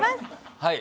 はい。